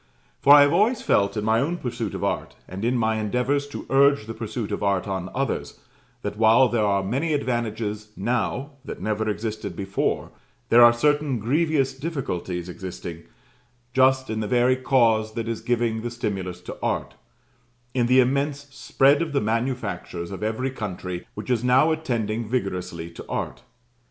For I have always felt in my own pursuit of art, and in my endeavors to urge the pursuit of art on others, that while there are many advantages now that never existed before, there are certain grievous difficulties existing, just in the very cause that is giving the stimulus to art in the immense spread of the manufactures of every country which is now attending vigorously to art.